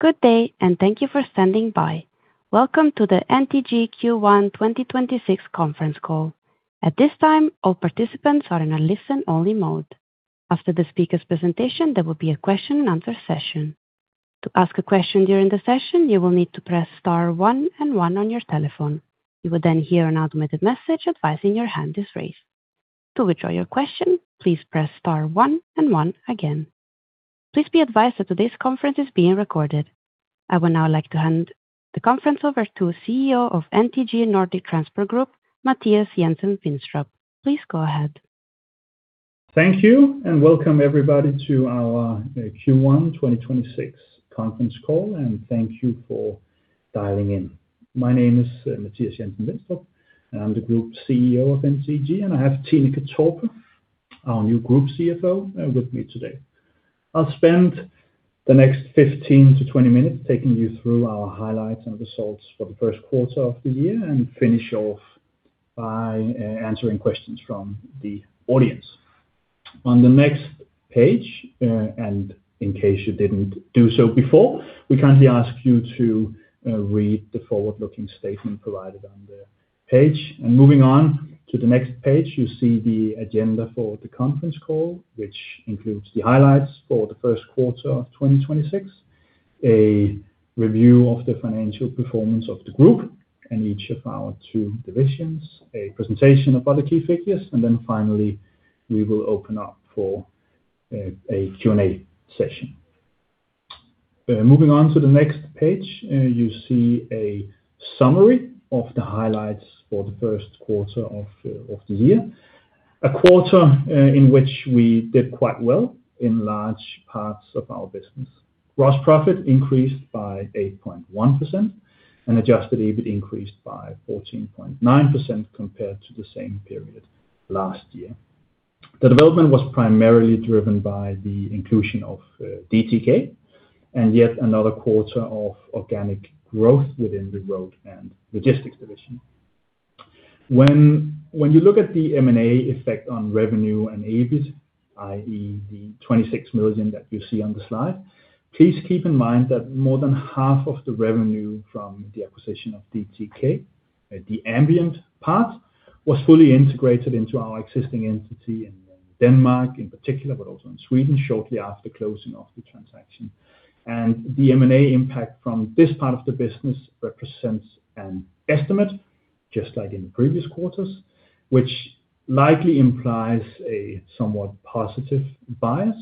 Good day, thank you for standing by. Welcome to the NTG Q1 2026 conference call. At this time, all participants are in a listen-only mode. After the speaker's presentation, there will be a question and answer session. To ask a question during the session, you will need to press star one and one on your telephone. You will hear an automated message advising your hand is raised. To withdraw your question, please press star one and one again. Please be advised that today's conference is being recorded. I would now like to hand the conference over to CEO of NTG Nordic Transport Group, Mathias Jensen-Vinstrup. Please go ahead. Thank you. Welcome everybody to our Q1 2026 conference call, and thank you for dialing in. My name is Mathias Jensen-Vinstrup, and I'm the Group CEO of NTG, and I have Tinneke Torpe, our new Group CFO, with me today. I'll spend the next 15-20 minutes taking you through our highlights and results for the 1st quarter of the year and finish off by answering questions from the audience. On the next page, in case you didn't do so before, we kindly ask you to read the forward-looking statement provided on the page. Moving on to the next page, you see the agenda for the conference call, which includes the highlights for the 1st quarter of 2026, a review of the financial performance of the group and each of our two divisions, a presentation about the key figures, and finally, we will open up for a Q&A session. Moving on to the next page, you see a summary of the highlights for the 1st quarter of the year. A quarter in which we did quite well in large parts of our business. Gross profit increased by 8.1%, and adjusted EBIT increased by 14.9% compared to the same period last year. The development was primarily driven by the inclusion of DTK and yet another quarter of organic growth within the Road & Logistics division. When you look at the M&A effect on revenue and EBIT, i.e., the 26 million that you see on the slide, please keep in mind that more than half of the revenue from the acquisition of DTK, the ambient part, was fully integrated into our existing entity in Denmark in particular, but also in Sweden shortly after closing of the transaction. The M&A impact from this part of the business represents an estimate, just like in the previous quarters, which likely implies a somewhat positive bias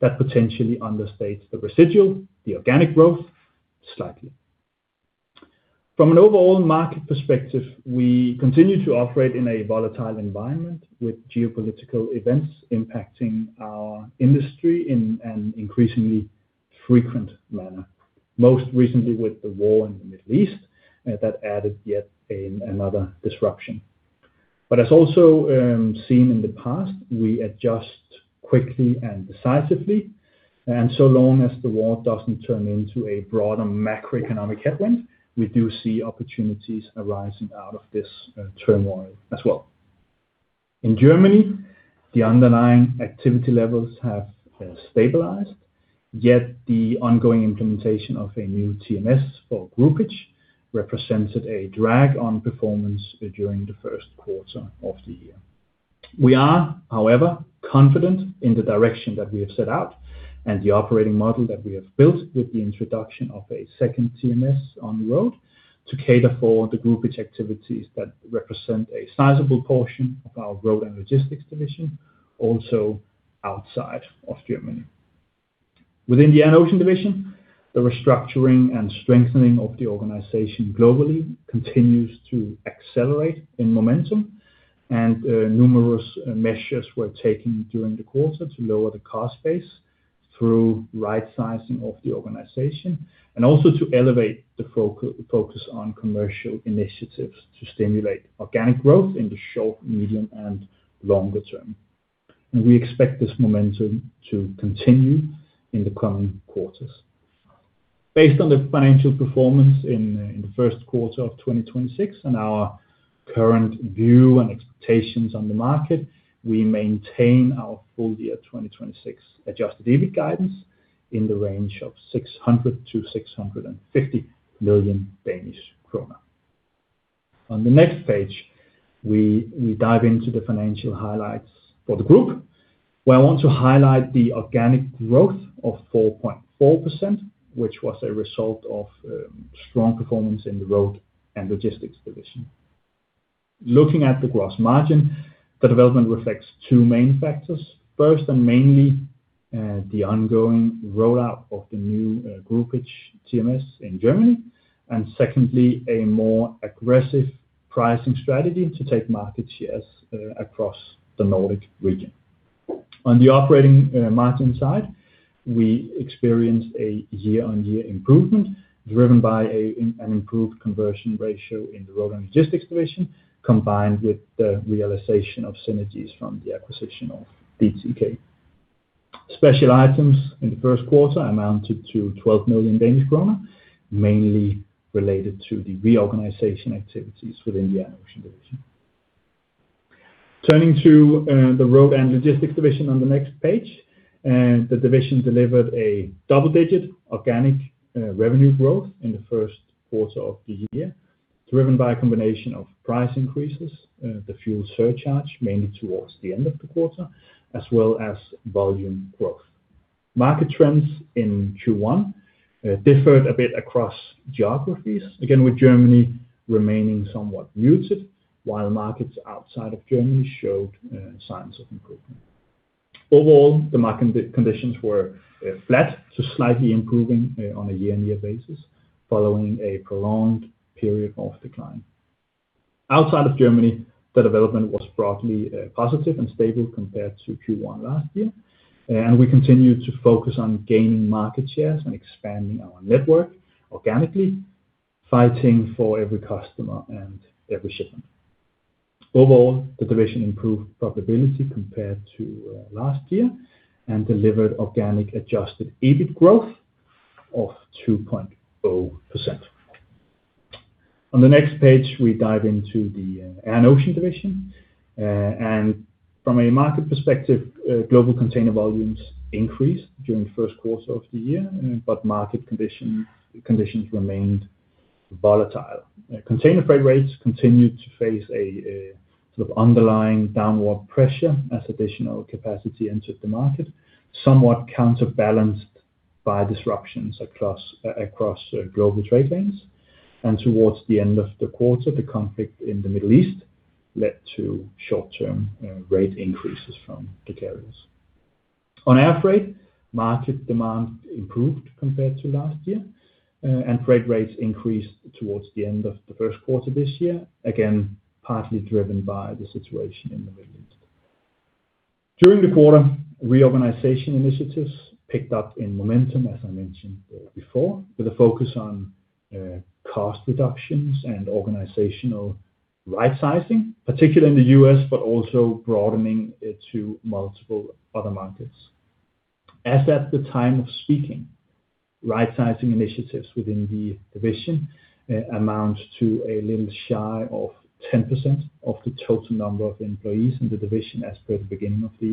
that potentially understates the residual, the organic growth slightly. From an overall market perspective, we continue to operate in a volatile environment with geopolitical events impacting our industry in an increasingly frequent manner. Most recently with the war in the Middle East, that added yet another disruption. As also, seen in the past, we adjust quickly and decisively, and so long as the war doesn't turn into a broader macroeconomic headwind, we do see opportunities arising out of this turmoil as well. In Germany, the underlying activity levels have stabilized, yet the ongoing implementation of a new TMS for groupage represented a drag on performance during the first quarter of the year. We are, however, confident in the direction that we have set out and the operating model that we have built with the introduction of a second TMS on the road to cater for the groupage activities that represent a sizable portion of our Road & Logistics division, also outside of Germany. Within the Air & Ocean division, the restructuring and strengthening of the organization globally continues to accelerate in momentum, and numerous measures were taken during the quarter to lower the cost base through right-sizing of the organization and also to elevate the focus on commercial initiatives to stimulate organic growth in the short, medium, and longer term. We expect this momentum to continue in the coming quarters. Based on the financial performance in the first quarter of 2026 and our current view and expectations on the market, we maintain our full year 2026 adjusted EBIT guidance in the range of 600 million-650 million Danish krone. On the next page, we dive into the financial highlights for the group, where I want to highlight the organic growth of 4.4%, which was a result of strong performance in the Road & Logistics division. Looking at the gross margin, the development reflects two main factors. First, and mainly, the ongoing rollout of the new groupage TMS in Germany. Secondly, a more aggressive pricing strategy to take market shares across the Nordic region. On the operating margin side, we experienced a year-on-year improvement driven by an improved conversion ratio in the Road & Logistics division, combined with the realization of synergies from the acquisition of DTK. Special items in the first quarter amounted to 12 million Danish kroner, mainly related to the reorganization activities within the Air & Ocean division. Turning to the Road & Logistics division on the next page. The division delivered a double-digit organic revenue growth in the first quarter of the year, driven by a combination of price increases, the fuel surcharge mainly towards the end of the quarter, as well as volume growth. Market trends in Q1 differed a bit across geographies, again, with Germany remaining somewhat muted while markets outside of Germany showed signs of improvement. Overall, the market conditions were flat to slightly improving on a year-on-year basis following a prolonged period of decline. Outside of Germany, the development was broadly positive and stable compared to Q1 last year. We continued to focus on gaining market shares and expanding our network organically, fighting for every customer and every shipment. Overall, the division improved profitability compared to last year and delivered organic adjusted EBIT growth of 2.0%. On the next page, we dive into the Air & Ocean division. From a market perspective, global container volumes increased during the first quarter of the year, but market conditions remained volatile. Container freight rates continued to face a sort of underlying downward pressure as additional capacity entered the market, somewhat counterbalanced by disruptions across global trade lanes. Towards the end of the quarter, the conflict in the Middle East led to short-term rate increases from the carriers. On airfreight, market demand improved compared to last year. Freight rates increased towards the end of the first quarter this year, again, partly driven by the situation in the Middle East. During the quarter, reorganization initiatives picked up in momentum, as I mentioned before, with a focus on cost reductions and organizational rightsizing, particularly in the U.S., but also broadening it to multiple other markets. As at the time of speaking, rightsizing initiatives within the division amounts to a little shy of 10% of the total number of employees in the division as per the beginning of the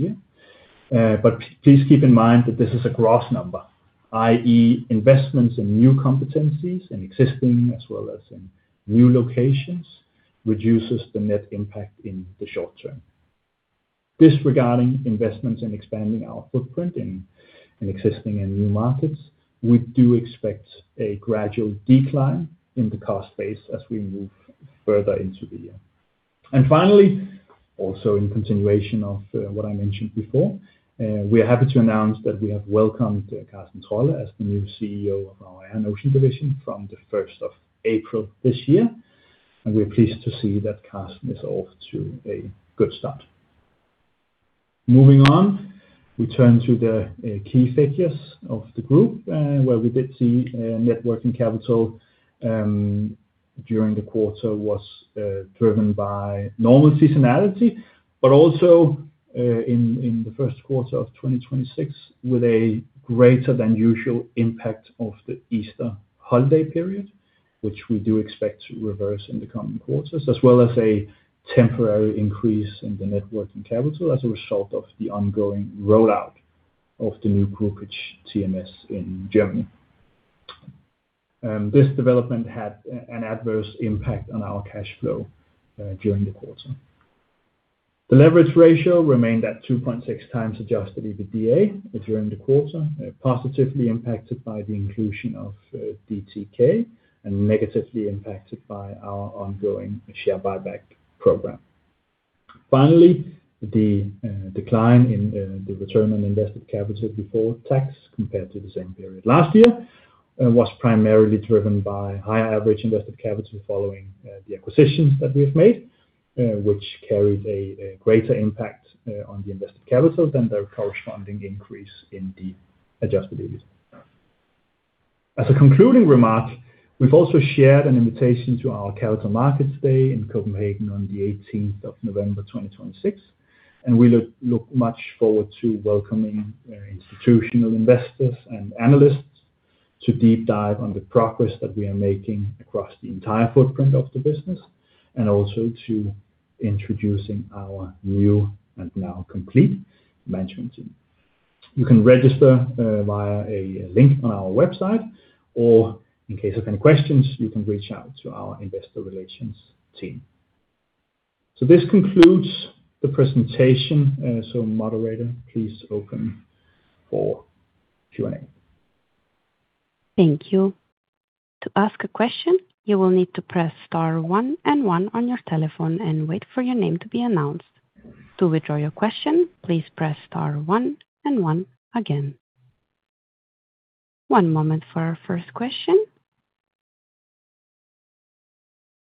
year. Please keep in mind that this is a gross number, i.e., investments in new competencies in existing as well as in new locations reduces the net impact in the short term. Disregarding investments in expanding our footprint in existing and new markets, we do expect a gradual decline in the cost base as we move further into the year. Finally, also in continuation of what I mentioned before, we are happy to announce that we have welcomed Carsten Trolle as the new CEO of our Air & Ocean Division from the 1st of April this year, and we are pleased to see that Carsten is off to a good start. Moving on, we turn to the key figures of the group, where we did see net working capital during the quarter was driven by normal seasonality, but also in the first quarter of 2026, with a greater than usual impact of the Easter holiday period, which we do expect to reverse in the coming quarters, as well as a temporary increase in the net working capital as a result of the ongoing rollout of the new groupage TMS in Germany. This development had an adverse impact on our cash flow during the quarter. The leverage ratio remained at 2.6x adjusted EBITDA during the quarter, positively impacted by the inclusion of DTK and negatively impacted by our ongoing share buyback program. Finally, the decline in the return on invested capital before tax compared to the same period last year, was primarily driven by higher average invested capital following the acquisitions that we've made, which carried a greater impact on the invested capital than the corresponding increase in the adjusted EBIT. As a concluding remark, we've also shared an invitation to our Capital Markets Day in Copenhagen on the 18th of November 2026, and we look much forward to welcoming our institutional investors and analysts to deep dive on the progress that we are making across the entire footprint of the business, and also to introducing our new and now complete management team. You can register via a link on our website or in case of any questions, you can reach out to our investor relations team. This concludes the presentation. Moderator, please open for Q&A. Thank you. To ask a question, you will need to press star one and one on your telephone and wait for your name to be announced. To withdraw your question, please press star one and one again. One moment for our first question.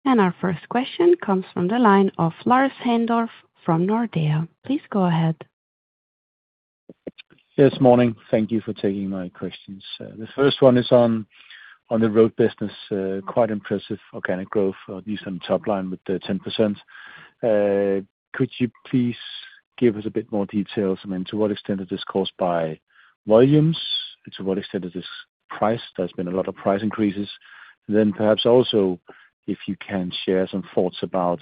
Our first question comes from the line of Lars Heindorff from Nordea. Please go ahead. Yes, morning. Thank you for taking my questions. The first one is on the Road business, quite impressive organic growth, decent top line with 10%. Could you please give us a bit more details. I mean, to what extent is this caused by volumes? To what extent is this price? There's been a lot of price increases. Perhaps also if you can share some thoughts about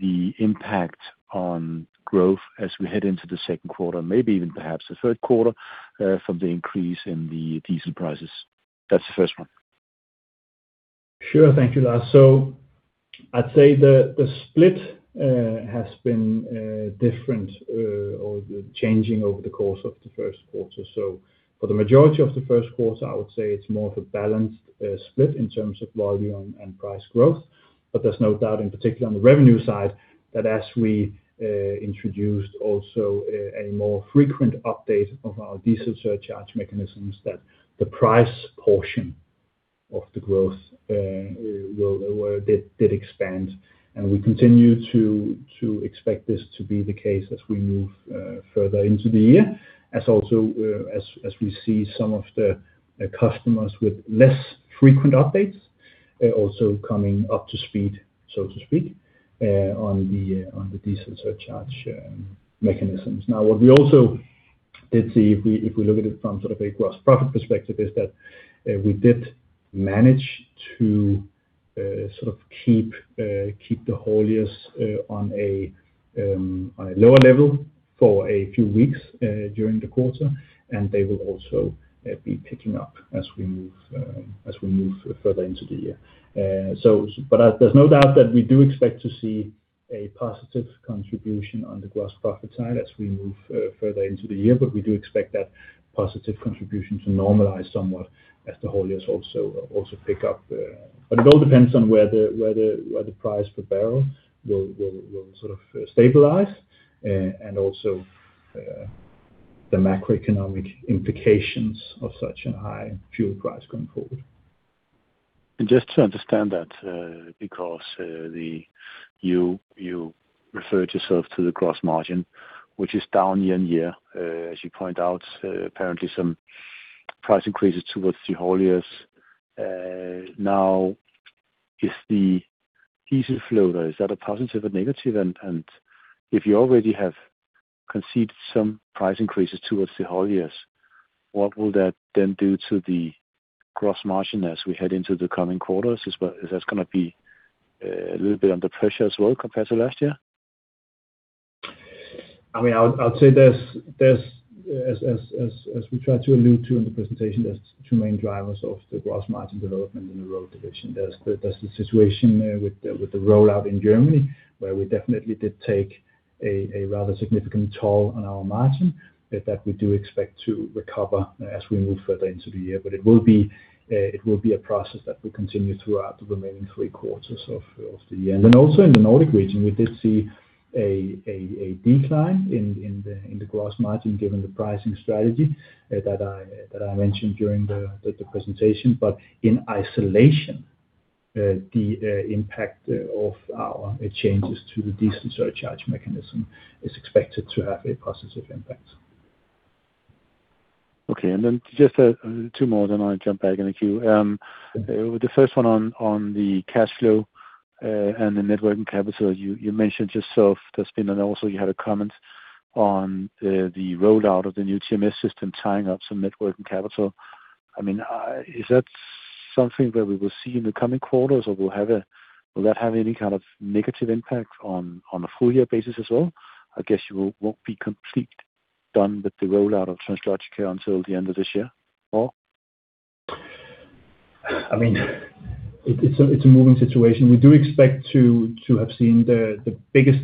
the impact on growth as we head into the second quarter, maybe even perhaps the third quarter, from the increase in the diesel prices. That's the first one. Sure. Thank you, Lars. I'd say the split has been different or changing over the course of the first quarter. For the majority of the first quarter, I would say it's more of a balanced split in terms of volume and price growth. There's no doubt, in particular on the revenue side, that as we introduced also a more frequent update of our diesel surcharge mechanisms, that the price portion of the growth did expand. We continue to expect this to be the case as we move further into the year, as also as we see some of the customers with less frequent updates also coming up to speed, so to speak, on the diesel surcharge mechanisms. What we also did see, if we look at it from sort of a gross profit perspective, is that we did manage to sort of keep the hauliers on a lower level for a few weeks during the quarter, and they will also be picking up as we move further into the year. There's no doubt that we do expect to see a positive contribution on the gross profit side as we move further into the year. We do expect that positive contribution to normalize somewhat as the hauliers also pick up. It all depends on where the price per barrel will sort of stabilize, and also the macroeconomic implications of such a high fuel price going forward. Just to understand that, because you referred yourself to the gross margin, which is down year on year. As you point out, apparently some price increases towards the hauliers. Now is the diesel flow, though, is that a positive or negative? If you already have conceded some price increases towards the hauliers, what will that then do to the gross margin as we head into the coming quarters? Is that gonna be a little bit under pressure as well compared to last year? I mean, I'll say there's as we tried to allude to in the presentation, there's two main drivers of the gross margin development in the Road & Logistics division. There's the situation with the rollout in Germany, where we definitely did take a rather significant toll on our margin that we do expect to recover as we move further into the year. It will be a process that will continue throughout the remaining three quarters of the year. Also in the Nordic region, we did see a decline in the gross margin given the pricing strategy that I mentioned during the presentation. In isolation, the impact of our changes to the diesel surcharge mechanism is expected to have a positive impact. Okay. Just two more, then I'll jump back in the queue. The first one on the cash flow and the net working capital. You mentioned yourself also you had a comment on the rollout of the new TMS system tying up some net working capital. I mean, is that something that we will see in the coming quarters or will that have any kind of negative impact on a full year basis as well? I guess you won't be complete done with the rollout of Translogica until the end of this year, or? I mean, it's a moving situation. We do expect to have seen the biggest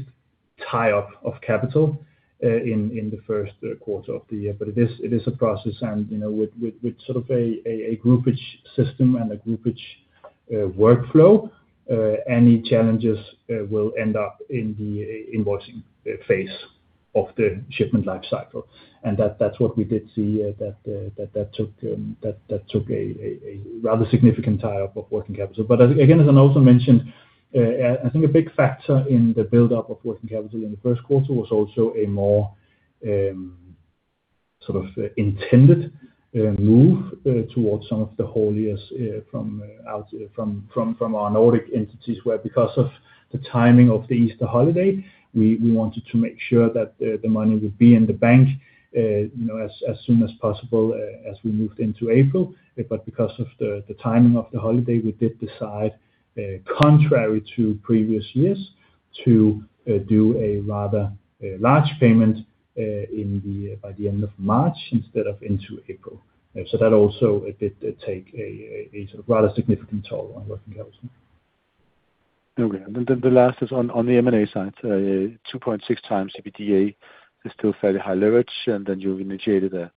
tie-up of capital in the first quarter of the year. It is, it is a process and, you know, with sort of a groupage system and a groupage workflow, any challenges will end up in the invoicing phase of the shipment life cycle. That's what we did see that took a rather significant tie-up of working capital. Again, as I also mentioned, I think a big factor in the buildup of working capital in the first quarter was also a more, sort of intended, move, towards some of the hauliers, from our Nordic entities, where because of the timing of the Easter holiday, we wanted to make sure that the money would be in the bank, you know, as soon as possible, as we moved into April. Because of the timing of the holiday, we did decide, contrary to previous years, to do a rather large payment, by the end of March instead of into April. That also it did take a sort of rather significant toll on working capital. Okay. The last is on the M&A side, 2.6x EBITDA is still fairly high leverage, and then you initiated a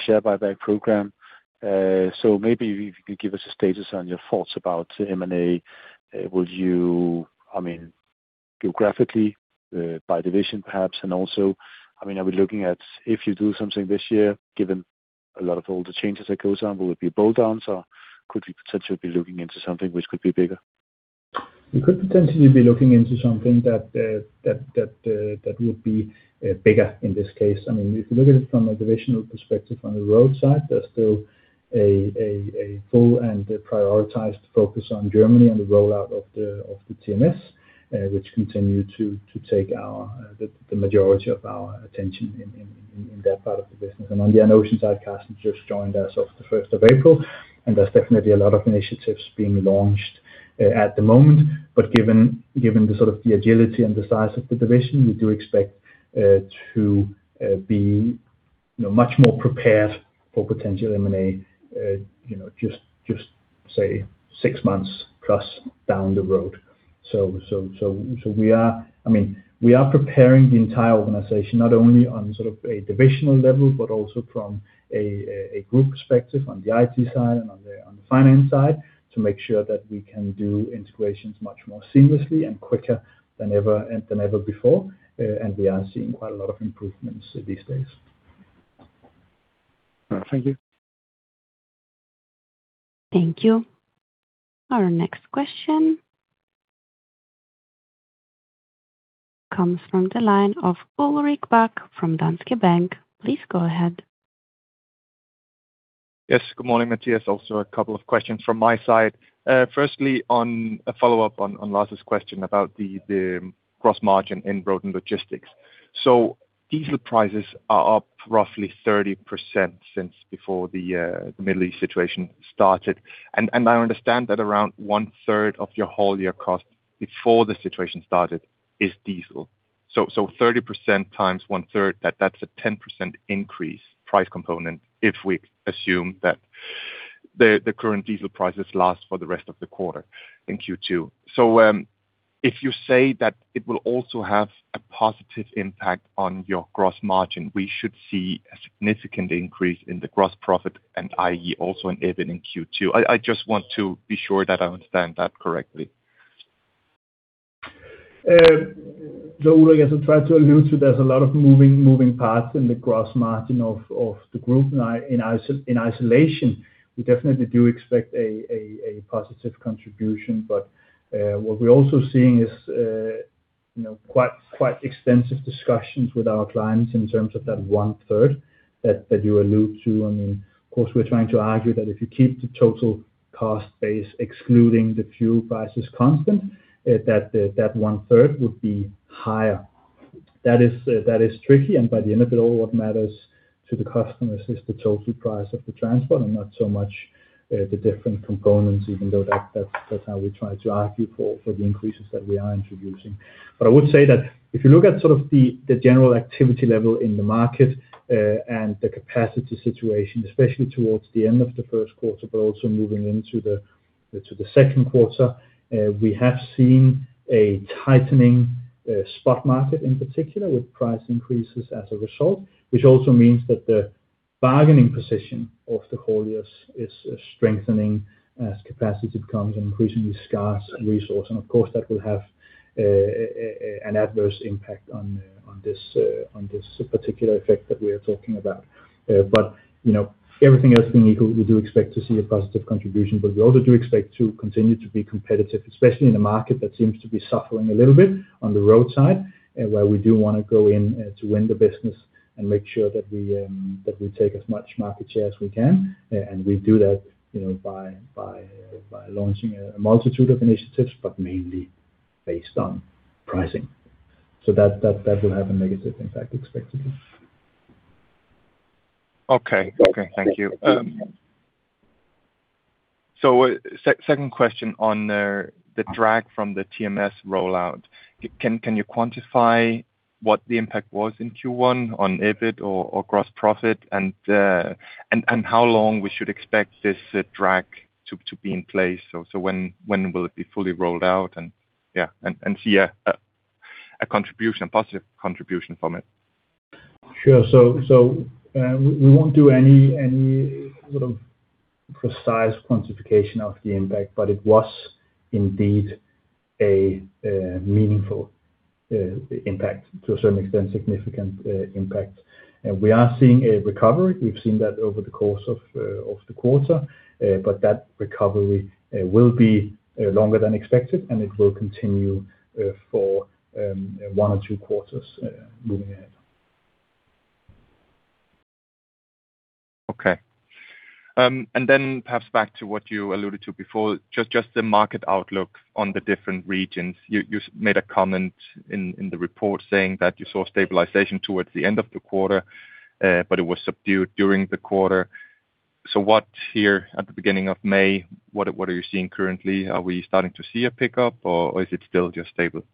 share buyback program. Maybe if you could give us a status on your thoughts about M&A. Would you, I mean, geographically, by division perhaps, and also, I mean, are we looking at if you do something this year, given a lot of all the changes that goes on, will it be bolt-ons, or could we potentially be looking into something which could be bigger? We could potentially be looking into something that would be bigger in this case. I mean, if you look at it from a divisional perspective on the Road side, there's still a full and prioritized focus on Germany and the rollout of the TMS. Which continue to take our the majority of our attention in that part of the business. On the Ocean side, Carsten just joined us off the first of April, there's definitely a lot of initiatives being launched at the moment. Given the sort of the agility and the size of the division, we do expect to be, you know, much more prepared for potential M&A, you know, just say 6 months plus down the road. We are I mean, we are preparing the entire organization, not only on sort of a divisional level, but also from a group perspective on the IT side and on the finance side, to make sure that we can do integrations much more seamlessly and quicker than ever and than ever before. We are seeing quite a lot of improvements these days. All right. Thank you. Thank you. Our next question comes from the line of Ulrik Bak from Danske Bank. Please go ahead. Yes. Good morning, Mathias. Also, a couple of questions from my side. Firstly, on a follow-up on Lars's question about the gross margin in Road & Logistics. Diesel prices are up roughly 30% since before the Middle East situation started. I understand that around 1/3 of hauilier cost before the situation started is diesel. 30% times 1/3, that's a 10% increase price component, if we assume that the current diesel prices last for the rest of the quarter in Q2. If you say that it will also have a positive impact on your gross margin, we should see a significant increase in the gross profit and i.e., also in EBIT in Q2. I just want to be sure that I understand that correctly. Ulrik, as I tried to allude to, there's a lot of moving parts in the gross margin of the group. In isolation, we definitely do expect a positive contribution. What we're also seeing is, you know, quite extensive discussions with our clients in terms of that 1/3 that you allude to. I mean, of course, we're trying to argue that if you keep the total cost base, excluding the fuel prices constant, that 1/3 would be higher. That is tricky. By the end of it all, what matters to the customers is the total price of the transport and not so much the different components, even though that's how we try to argue for the increases that we are introducing. I would say that if you look at sort of the general activity level in the market, and the capacity situation, especially towards the end of the 1st quarter, but also moving into the 2nd quarter, we have seen a tightening spot market, in particular with price increases as a result. Which also means that the bargaining position of the haulier is strengthening as capacity becomes an increasingly scarce resource. Of course, that will have an adverse impact on this particular effect that we are talking about. You know, everything else being equal, we do expect to see a positive contribution, but we also do expect to continue to be competitive, especially in a market that seems to be suffering a little bit on the road side. Where we do wanna go in to win the business and make sure that we take as much market share as we can. We do that, you know, by launching a multitude of initiatives, but mainly based on pricing. That will have a negative impact expected. Okay. Okay. Thank you. Second question on the drag from the TMS rollout. Can you quantify what the impact was in Q1 on EBIT or gross profit and how long we should expect this drag to be in place? When will it be fully rolled out and yeah, and see a contribution, positive contribution from it? Sure. We won't do any sort of precise quantification of the impact, but it was indeed a meaningful impact to a certain extent, significant impact. We are seeing a recovery. We've seen that over the course of the quarter. That recovery will be longer than expected, and it will continue for one or two quarters moving ahead. Okay. Then perhaps back to what you alluded to before, just the market outlook on the different regions. You made a comment in the report saying that you saw stabilization towards the end of the quarter, but it was subdued during the quarter. What here at the beginning of May, what are you seeing currently? Are we starting to see a pickup or is it still just stable?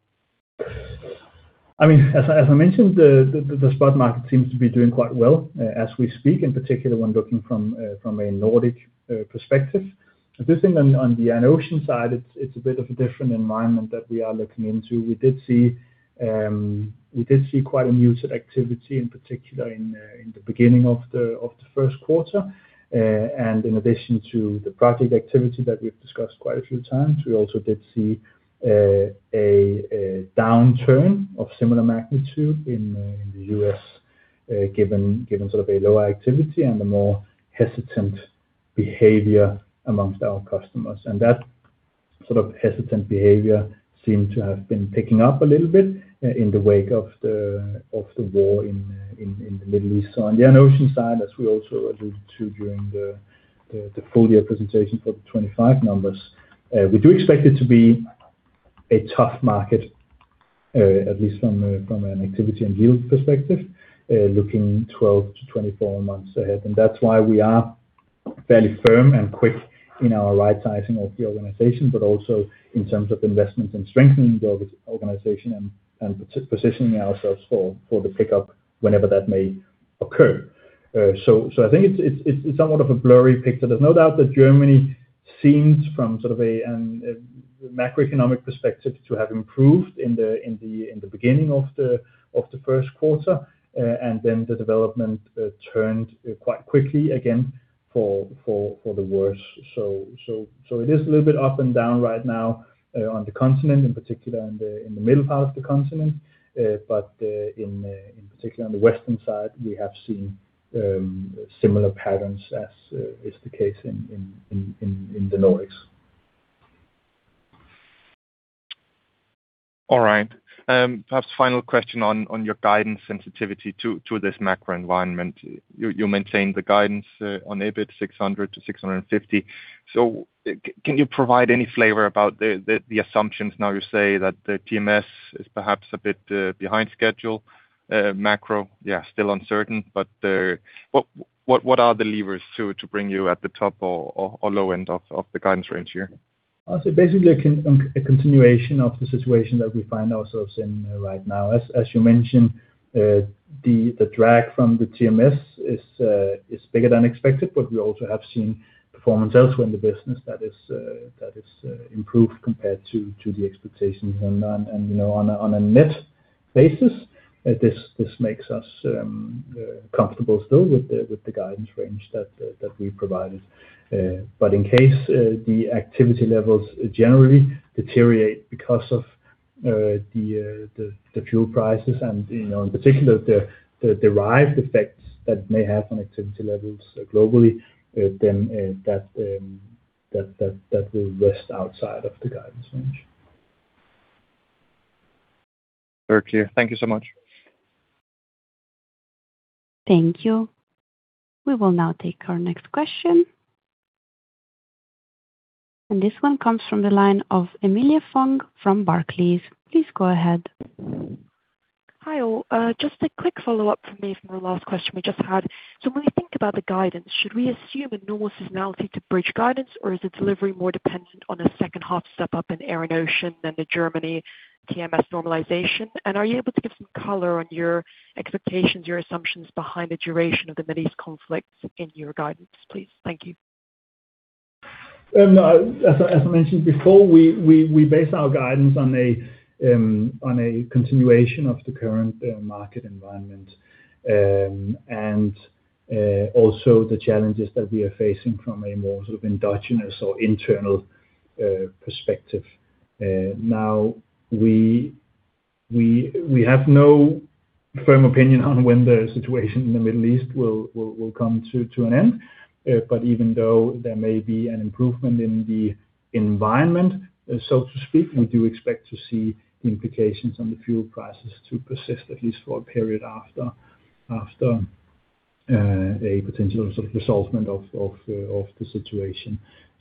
I mean, as I mentioned, the spot market seems to be doing quite well, as we speak, in particular when looking from a Nordic perspective. This thing on the Air & Ocean side, it's a bit of a different environment that we are looking into. We did see quite a muted activity, in particular in the beginning of the first quarter. In addition to the project activity that we've discussed quite a few times, we also did see a downturn of similar magnitude in the U.S., given sort of a lower activity and a more hesitant behavior amongst our customers. That sort of hesitant behavior seemed to have been picking up a little bit in the wake of the war in the Middle East. On the Air & Ocean side, as we also alluded to during the full year presentation for the 2025 numbers, we do expect it to be a tough market at least from an activity and yield perspective, looking 12-24 months ahead. That's why we are fairly firm and quick in our right sizing of the organization, but also in terms of investment and strengthening the organization and positioning ourselves for the pickup whenever that may occur. So I think it's somewhat of a blurry picture. There's no doubt that Germany seems from sort of a macroeconomic perspective to have improved in the beginning of the first quarter. The development turned quite quickly again for the worse. It is a little bit up and down right now on the continent, in particular in the middle part of the continent. In particular on the western side, we have seen similar patterns as is the case in the Nordics. All right. Perhaps final question on your guidance sensitivity to this macro environment. You maintain the guidance on EBIT 600-650. Can you provide any flavor about the assumptions now you say that the TMS is perhaps a bit behind schedule, macro, yeah, still uncertain, What are the levers to bring you at the top or low end of the guidance range here? Basically a continuation of the situation that we find ourselves in right now. As you mentioned, the drag from the TMS is bigger than expected, we also have seen performance elsewhere in the business that is improved compared to the expectations. You know, on a net basis, this makes us comfortable still with the guidance range that we provided. In case the activity levels generally deteriorate because of the fuel prices and, you know, in particular the derived effects that may have on activity levels globally, then that will rest outside of the guidance range. Very clear. Thank you so much. Thank you. We will now take our next question. This one comes from the line of Emilie Fung from Barclays. Please go ahead. Hi all. Just a quick follow-up for me from the last question we just had. When we think about the guidance, should we assume a normal seasonality to bridge guidance, or is the delivery more dependent on a second half step up in Air & Ocean than the Germany TMS normalization? Are you able to give some color on your expectations, your assumptions behind the duration of the Middle East conflict in your guidance, please? Thank you. As I mentioned before, we base our guidance on a continuation of the current market environment. Also the challenges that we are facing from a more sort of endogenous or internal perspective. Now we have no firm opinion on when the situation in the Middle East will come to an end. Even though there may be an improvement in the environment, so to speak, we do expect to see the implications on the fuel prices to persist at least for a period after a potential sort of resolvement of the situation.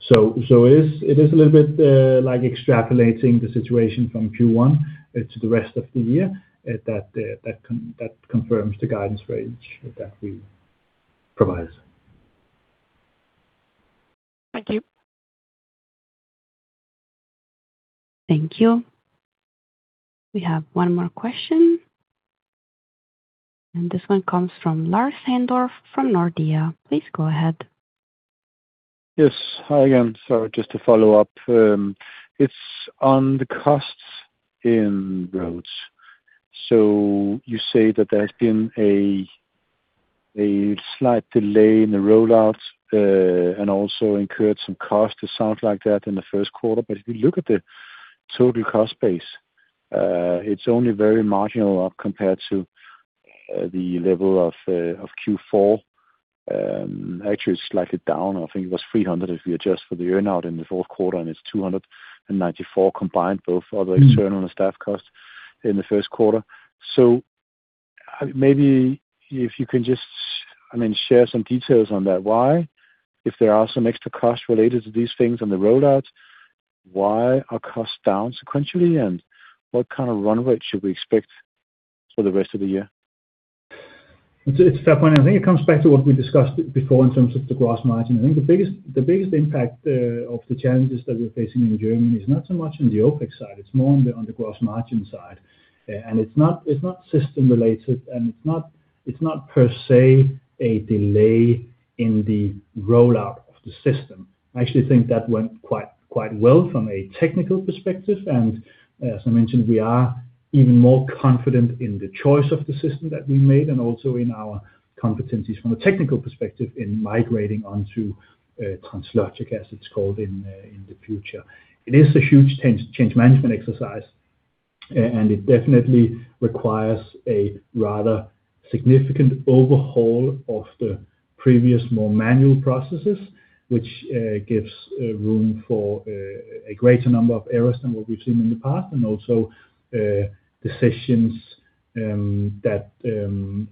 It is a little bit like extrapolating the situation from Q1 to the rest of the year that confirms the guidance range that we provide. Thank you. Thank you. We have one more question. This one comes from Lars Heindorff from Nordea. Please go ahead. Yes. Hi again. Sorry, just to follow up. It's on the costs in Roads. You say that there has been a slight delay in the rollout and also incurred some cost to sound like that in the first quarter. If you look at the total cost base, it's only very marginal compared to the level of Q4. Actually it's slightly down. I think it was 300 if you adjust for the earn out in the fourth quarter, and it's 294 combined, both for the external and staff costs in the first quarter. Maybe if you can just, I mean, share some details on that. Why, if there are some extra costs related to these things on the rollout, why are costs down sequentially? What kind of run rate should we expect for the rest of the year? It's a fair point. I think it comes back to what we discussed before in terms of the gross margin. I think the biggest impact of the challenges that we're facing in Germany is not so much on the OpEx side, it's more on the gross margin side. It's not system related, and it's not per se a delay in the rollout of the system. I actually think that went quite well from a technical perspective. As I mentioned, we are even more confident in the choice of the system that we made and also in our competencies from a technical perspective in migrating onto Translogica, as it's called in the future. It is a huge change management exercise, and it definitely requires a rather significant overhaul of the previous more manual processes, which gives room for a greater number of errors than what we've seen in the past, and also decisions that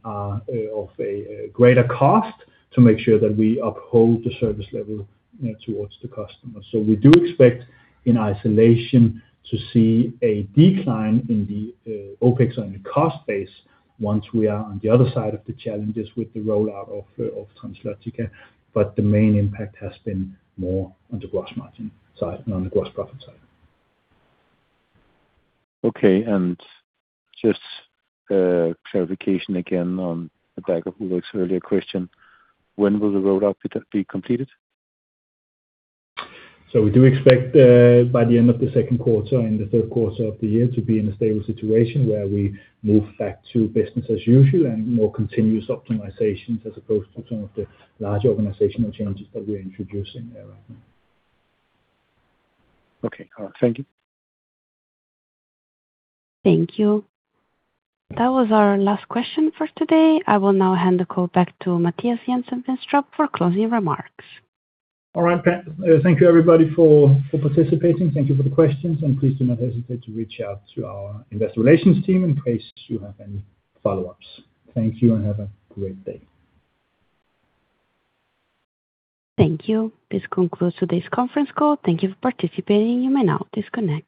are of a greater cost to make sure that we uphold the service level towards the customer. We do expect in isolation to see a decline in the OpEx on the cost base once we are on the other side of the challenges with the rollout of Translogica, but the main impact has been more on the gross margin side than on the gross profit side. Okay. Just clarification again on the back of Ulrik's earlier question. When will the rollout be completed? We do expect by the end of the second quarter and the third quarter of the year to be in a stable situation where we move back to business as usual and more continuous optimizations as opposed to some of the larger organizational challenges that we're introducing there right now. Okay. All right. Thank you. Thank you. That was our last question for today. I will now hand the call back to Mathias Jensen-Vinstrup for closing remarks. All right. Thank you, everybody, for participating. Thank you for the questions. Please do not hesitate to reach out to our investor relations team in case you have any follow-ups. Thank you and have a great day. Thank you. This concludes today's conference call. Thank you for participating. You may now disconnect.